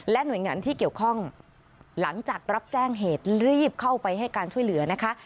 หน่วยงานที่เกี่ยวข้องหลังจากรับแจ้งเหตุรีบเข้าไปให้การช่วยเหลือนะคะ